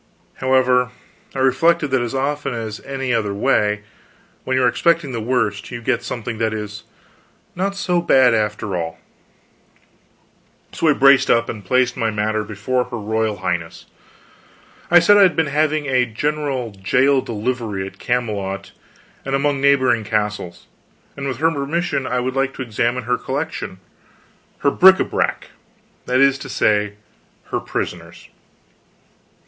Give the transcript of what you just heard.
However, I reflected that as often as any other way, when you are expecting the worst, you get something that is not so bad, after all. So I braced up and placed my matter before her royal Highness. I said I had been having a general jail delivery at Camelot and among neighboring castles, and with her permission I would like to examine her collection, her bric a brac that is to say, her prisoners.